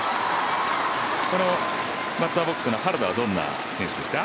バッターボックスの原田はどんな選手ですか？